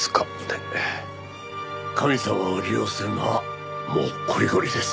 神様を利用するのはもうこりごりです。